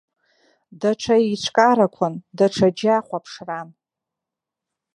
Даҽа еиҿкаарақәан, даҽа џьа хәаԥшран.